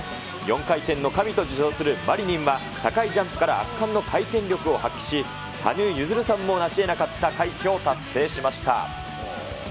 ４回転の神と自称するマリニンは高いジャンプから圧巻の回転力を発揮し、羽生結弦さんも成し得なかった快挙を達成しました。